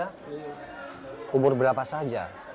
tiga umur berapa saja